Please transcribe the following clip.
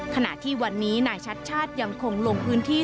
ขณะที่วันนี้นายชัดชาติยังคงลงพื้นที่